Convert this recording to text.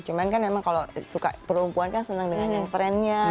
cuman kan emang kalau suka perempuan kan senang dengan yang trendnya